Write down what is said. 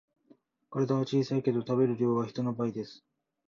体は小さいけど食べる量は人の倍です